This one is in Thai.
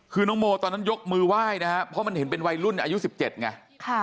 คือน้องโมตอนนั้นยกมือไหว้นะฮะเพราะมันเห็นเป็นวัยรุ่นอายุสิบเจ็ดไงค่ะ